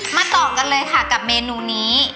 ต่อกันเลยค่ะกับเมนูนี้